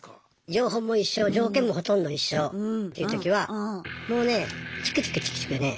情報も一緒条件もほとんど一緒っていう時はもうねちくちくちくちくね